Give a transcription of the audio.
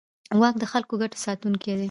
واک د خلکو د ګټو ساتونکی دی.